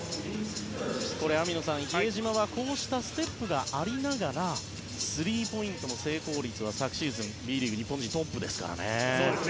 網野さん、比江島はこうしたステップがありながらスリーポイントの成功率は昨シーズンＢリーグ日本人トップです。